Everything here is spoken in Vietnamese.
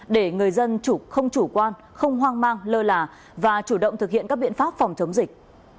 để người dân chủ không chủ quan không hoang mang lơ là và chủ động thực hiện các biện pháp phòng chống dịch